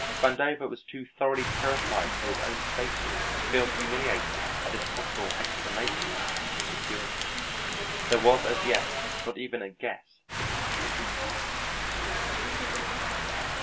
Vandover was too thoroughly terrified for his own safety to feel humiliated at this possible explanation of his security. There was as yet not even a guess that implicated him.